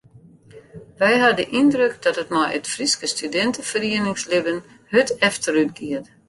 Wy ha de yndruk dat it mei it Fryske studinteferieningslibben hurd efterútgiet.